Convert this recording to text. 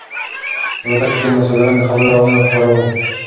په الوتکه کې د مسافرانو د خبرو غږونه خپاره وو.